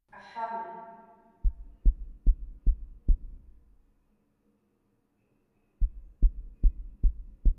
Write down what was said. Aháma.